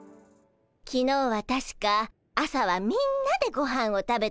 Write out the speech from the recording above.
きのうはたしか朝はみんなでごはんを食べたわよね。